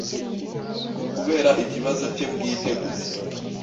kubera ikibazo cye bwite gusa,